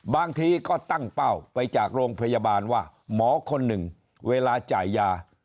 บางทีก็ตั้งเป้าไปจากโรงพยาบาลว่าหมอคนหนึ่งเวลาจ่ายยา